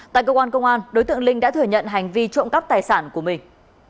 tại cơ quan công an đối tượng linh đã thừa nhận hành vi trộm cắp tài sản của mình